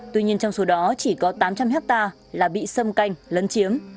tuy nhiên trong số đó chỉ có tám trăm linh hectare là bị xâm canh lấn chiếm